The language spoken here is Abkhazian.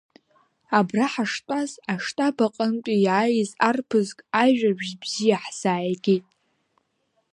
Абра ҳаштәаз аштаб аҟынтәи иааиз арԥыск ажәабжь бзиа ҳзааигеит…